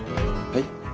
はい？